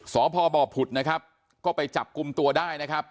พบผุดนะครับก็ไปจับกลุ่มตัวได้นะครับ